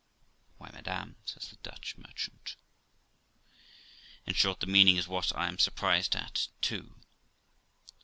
'Why, madam', says the Dutch merchant, 'in short, the meaning is what I am surprised at too.